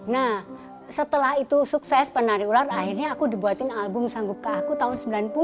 nah setelah itu sukses penari ular akhirnya aku dibuatin album sanggupkah aku tahun sembilan puluh